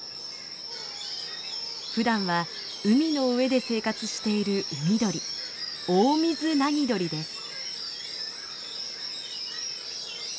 ふだんは海の上で生活している海鳥オオミズナギドリです。